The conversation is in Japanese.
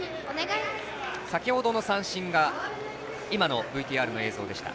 先ほどの三振が今のＶＴＲの映像でした。